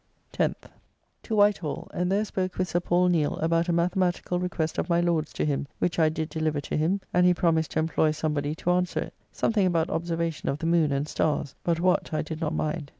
10th. To White Hall, and there spoke with Sir Paul Neale' about a mathematical request of my Lord's to him, which I did deliver to him, and he promised to employ somebody to answer it, something about observation of the moon and stars, but what I did not mind.